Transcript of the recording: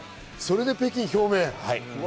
それで北京表明。